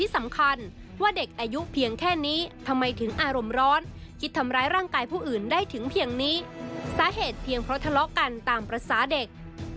สาเหตุเพียงเพราะทะเลาะกันตามปรัศนาเด็ก